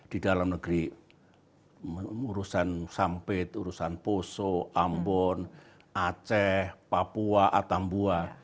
di dalam negeri urusan sampit urusan poso ambon aceh papua atambua